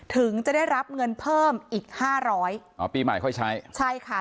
ถึงจะได้รับเงินเพิ่มอีกห้าร้อยอ๋อปีใหม่ค่อยใช้ใช่ค่ะ